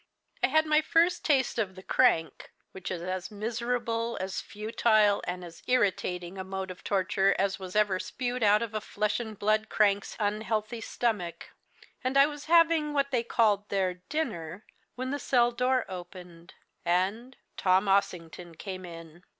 I had my first taste of the crank which is as miserable, as futile, and as irritating a mode of torture as was ever spewed out of a flesh and blood crank's unhealthy stomach; and I was having, what they called there, dinner, when the cell door opened, and Tom Ossington came in.